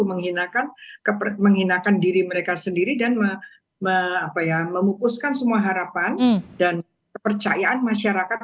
menghinakan menghinakan diri mereka sendiri dan memupuskan semua harapan dan kepercayaan masyarakat